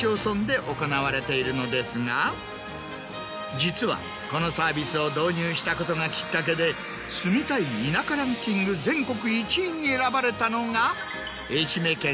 実はこのサービスを導入したことがきっかけで住みたい田舎ランキング全国１位に選ばれたのが。